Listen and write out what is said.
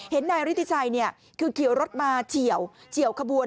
เห็นนายฤทธิชัยเนี่ยคือเขียวรถมาเฉี่ยวเฉี่ยวขบวนนั้น